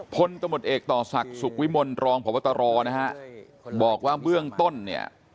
ตมเอกต่อศักดิ์สุขวิมลรองพบตรนะฮะบอกว่าเบื้องต้นเนี่ย